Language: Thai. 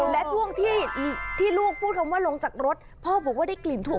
และช่วงที่ลูกพูดคำว่าลงจากรถพ่อบอกว่าได้กลิ่นทุก